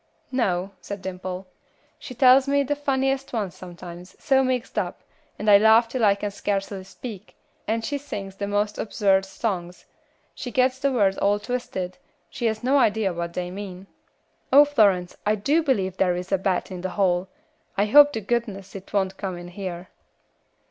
"No," said Dimple, "she tells me the funniest ones sometimes, so mixed up, and I laugh till I can scarcely speak, and she sings the most absurd songs; she gets the words all twisted, she has no idea what they mean. Oh! Florence, I do believe there is a bat in the hall. I hope to goodness it won't come in here."